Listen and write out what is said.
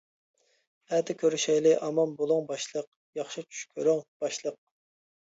ئەتە كۆرۈشەيلى-ئامان بولۇڭ باشلىق، ياخشى چۈش كۆرۈڭ باشلىق.